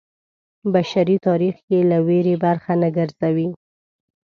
بشري تاریخ یې له ویرې برخه نه ګرځوي.